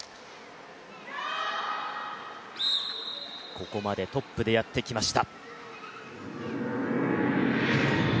ここまでトップでやってきました。